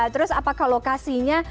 terus apakah lokasinya